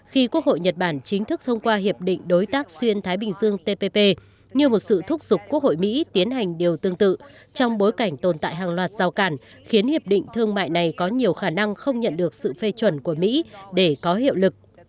khi quốc hội nhật bản chính thức thông qua hiệp định đối tác xuyên thái bình dương tpp như một sự thúc giục quốc hội mỹ tiến hành điều tương tự trong bối cảnh tồn tại hàng loạt rào cản khiến hiệp định thương mại này có nhiều khả năng không nhận được sự phê chuẩn của mỹ để có hiệu lực